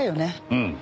うん。